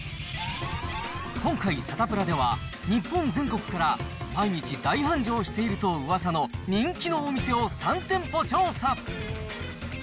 今回、サタプラでは、日本全国から毎日大繁盛しているとうわさの人気のお店を３店舗調査。